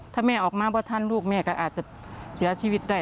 ถ้าแม่ออกมาว่าทันลูกแม่ก็อาจจะเสียชีวิตได้